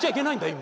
今。